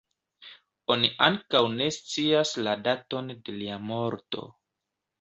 Oni ankaŭ ne scias la daton de lia morto.